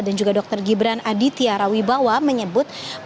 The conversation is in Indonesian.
dan juga dokter gibran aditya rawibawa menyebut bahwa